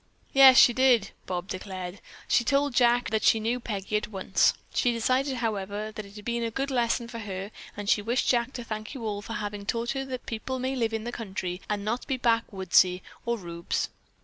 "Yes, she did," Bob declared. "She told Jack that she knew Peggy at once. She decided, however, that it had been a good lesson for her and she wished Jack to thank you all for having taught her that people may live in the country and not be backwoodsy or rubes."